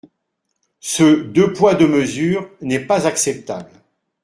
Ce « deux poids, deux mesures » n’est pas acceptable.